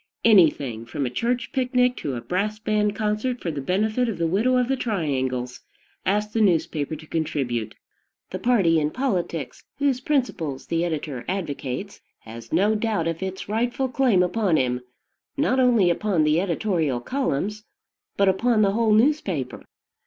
Anything, from a church picnic to a brass band concert for the benefit of the widow of the triangles, asks the newspaper to contribute. The party in politics, whose principles the editor advocates, has no doubt of its rightful claim upon him, not only upon the editorial columns, but upon the whole newspaper.